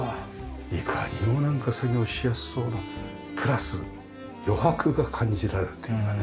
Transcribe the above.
いかにもなんか作業しやすそうなプラス余白が感じられるというかね。